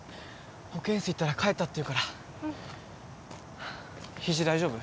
保健室行ったら帰ったって言うから肘大丈夫？